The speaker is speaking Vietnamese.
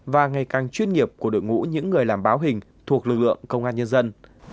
và ngày càng chuyên nghiệp của đội ngũ những người làm báo hình thuộc lực lượng công an nhân dân